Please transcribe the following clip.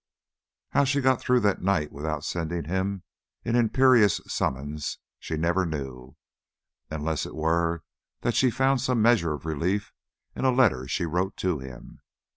How she got through that night without sending him an imperious summons she never knew, unless it were that she found some measure of relief in a letter she wrote to him.